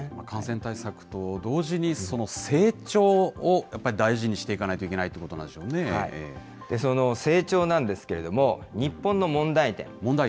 感染対策と同時に、成長をやっぱり、大事にしていかないといその成長なんですけれども、日本の問題点。